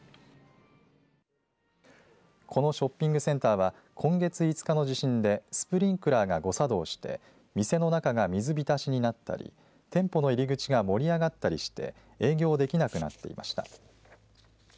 このショッピングセンターは今月５日の地震でスプリンクラーが誤作動して店の中が水浸しになったり店舗の入り口が盛り上がったりして営業できなくなっていました。